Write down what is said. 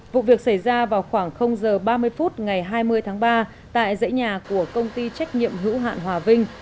vụ việc xảy ra vào khoảng h ba mươi phút ngày hai mươi tháng ba tại dãy nhà của công ty trách nhiệm hữu hạn hòa vinh